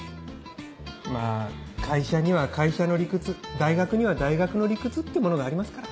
まぁ会社には会社の理屈大学には大学の理屈ってものがありますから。